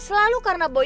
selalu karena boy